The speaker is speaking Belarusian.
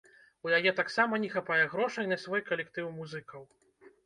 У яе таксама не хапае грошай на свой калектыў музыкаў.